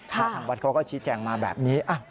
ทางวัดเขาก็ชี้แจงมาแบบนี้